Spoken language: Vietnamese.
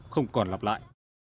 không còn lặp lại